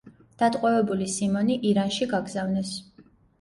დატყვევებული სიმონი ირანში გაგზავნეს.